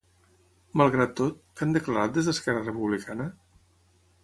Malgrat tot, què han declarat des d'Esquerra Republicana?